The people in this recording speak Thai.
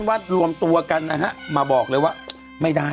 วัดรวมตัวกันนะฮะมาบอกเลยว่าไม่ได้